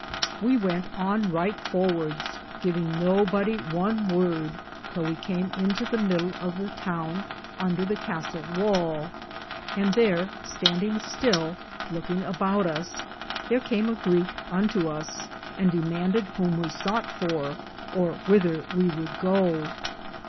We wente on right for wardes, givinge no bodie one worde till we came into the mydle of the towne under the castell wale, and thare stand inge still loukinge aboute us, thare came a Greeke unto us, and demanded whom we soughte for, or whither we would goo.